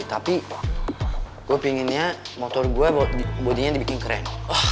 tapi gue pengennya motor gue bodinya dibikin keren